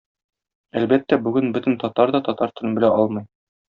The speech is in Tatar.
Әлбәттә, бүген бөтен татар да татар телен белә алмый.